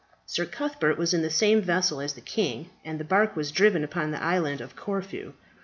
Sir Cuthbert was in the same vessel as the king, and the bark was driven upon the Island of Corfu.